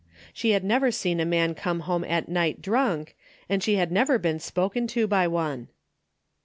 She had never seen a man come home at night drunk, and she had never been spoken to by one.